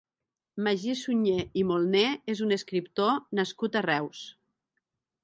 Magí Sunyer i Molné és un escriptor nascut a Reus.